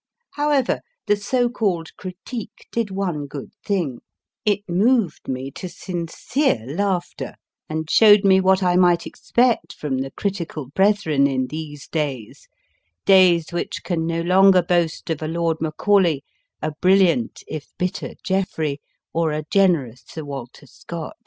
However, the so called critique did one good thing ; it moved me to sincere laughter, and showed me what I might expect from the critical brethren in these days days which can no longer boast of a Lord Macaulay, a bri lliant, if bitter, Jeffrey, or a generous Sir Walter Scott.